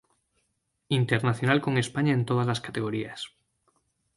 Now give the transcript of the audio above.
Internacional con España en todas las categorías.